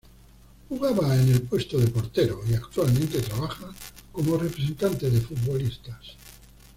Jugaba en el puesto de portero y actualmente trabaja como representante de futbolistas.